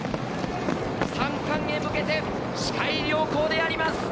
三冠へ向けて視界良好であります。